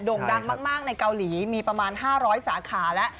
่งดังมากในเกาหลีมีประมาณ๕๐๐สาขาแล้ว